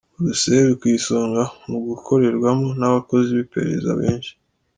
Buruseli ku isonga mu gukorerwamo n’abakozi b’iperereza benshi